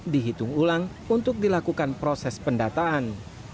dihitung ulang untuk dilakukan proses pendataan